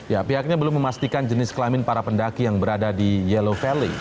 ya pihaknya belum memastikan jenis kelamin para pendaki yang berada di yellow valley